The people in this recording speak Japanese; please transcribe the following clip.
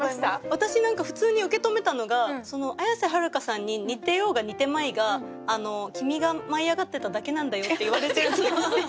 私何か普通に受け止めたのが綾瀬はるかさんに似てようが似てまいが君が舞い上がってただけなんだよって言われてる感じで。